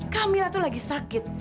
kamila itu sedang sakit